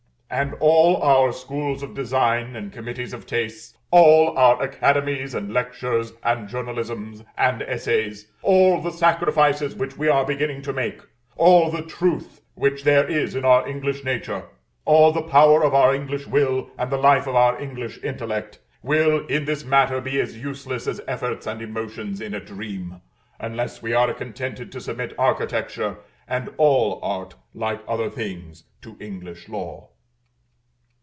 And all our schools of design, and committees of tastes; all our academies and lectures, and journalisms, and essays; all the sacrifices which we are beginning to make, all the truth which there is in our English nature, all the power of our English will, and the life of our English intellect, will in this matter be as useless as efforts and emotions in a dream, unless we are contented to submit architecture and all art, like other things, to English law.